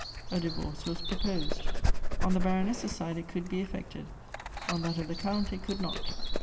A divorce was proposed. On the Baroness' side it could be efiected, on tliat of the Count it could not.